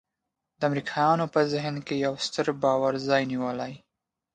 د امریکایانو په ذهن کې یو ستر باور ځای نیولی.